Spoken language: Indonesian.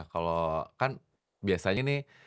kalau kan biasanya nih